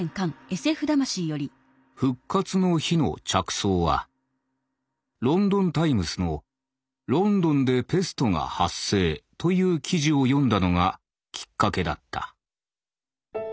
「『復活の日』の着想は『ロンドン・タイムス』の『ロンドンでペストが発生』という記事を読んだのがきっかけだった」。